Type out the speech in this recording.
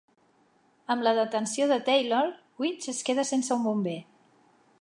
Amb la detenció de Taylor, Weech es queda sense un bomber.